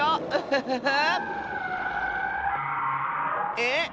えっ？